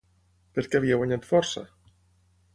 Per què havia guanyat força?